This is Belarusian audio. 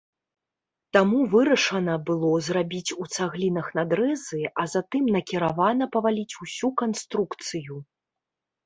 Таму вырашана было зрабіць у цаглінах надрэзы, а затым накіравана паваліць ўсю канструкцыю.